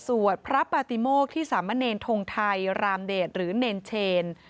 พระปฏิโมกที่สามะเนรทงไทยรามเดชหรือเนรเชน